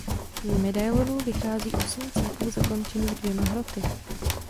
Z medailonu vychází osm cípů zakončených dvěma hroty.